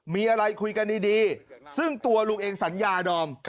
มีอะไรคุยกันดีซึ่งตัวลุงเองสัญญาดอม